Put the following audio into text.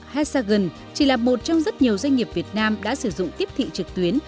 hestagen chỉ là một trong rất nhiều doanh nghiệp việt nam đã sử dụng tiếp thị trực tuyến